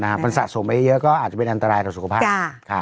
มันสะสมไปเยอะก็อาจจะเป็นอันตรายต่อสุขภาพ